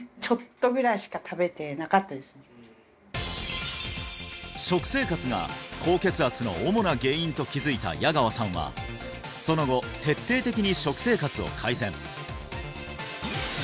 それに耐えられなくなったそうならないために食生活が高血圧の主な原因と気づいた矢川さんはその後徹底的に食生活を改善